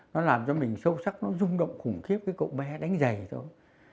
nó làm cho mình sâu sắc nó rung động khủng khiếp với cậu bé đánh giày thôi